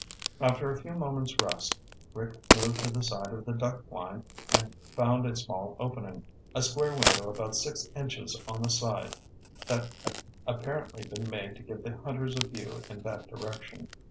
After a few moments' rest, Rick moved to the side of the duck blind and found a small opening, a square window about six inches on a side, that had apparently been made to give the hunters a view in that direction.